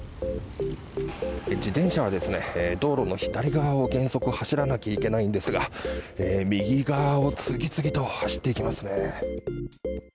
自転車は道路の左側を原則は左側を走らなければいけないんですが右側と次々と走っていきますね。